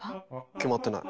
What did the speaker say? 決まってない。